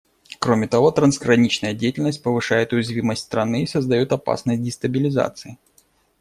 Кроме того, трансграничная деятельность повышает уязвимость страны и создает опасность дестабилизации.